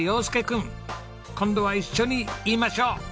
君今度は一緒に言いましょう！